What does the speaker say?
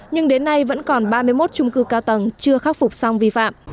nhưng đến nay vẫn còn ba mươi một trung cư cao tầng chưa khắc phục xong vi phạm